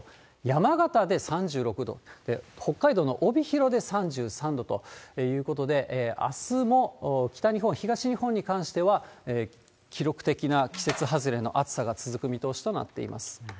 山形で３６度で、北海道の帯広で３３度ということで、あすも北日本、東日本に関しては、記録的な季節外れの暑さが続く見通しとなっています。